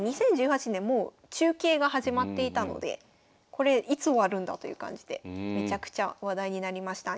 ２０１８年もう中継が始まっていたのでこれいつ終わるんだという感じでめちゃくちゃ話題になりました。